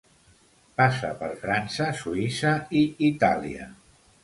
Passa per França, Suïssa i Itàlia.